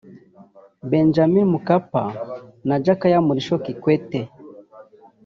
Benjamini Mkapa na Jakaya Mrisho Kikwete